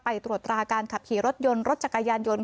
ตรวจตราการขับขี่รถยนต์รถจักรยานยนต์